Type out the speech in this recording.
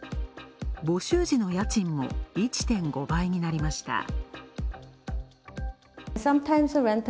募集時の家賃も１．５倍になりました。